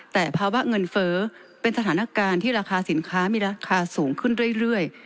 แต่ภาวะเงินเฟ้อเป็นสถานการณ์ที่ราคาสินค้ามีราคาสูงขึ้นเรื่อย